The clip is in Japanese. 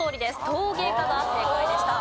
陶芸家が正解でした。